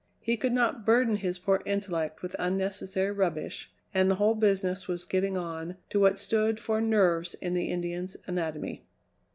He could not burden his poor intellect with unnecessary rubbish, and the whole business was getting on to what stood for nerves in the Indian's anatomy.